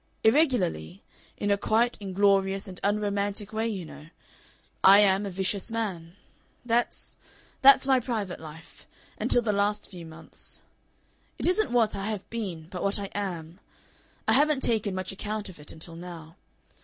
Irregularly, in a quite inglorious and unromantic way, you know, I am a vicious man. That's that's my private life. Until the last few months. It isn't what I have been but what I am. I haven't taken much account of it until now.